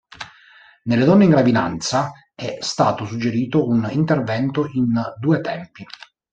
Nelle donne in gravidanza, è stato suggerito un intervento in due tempi.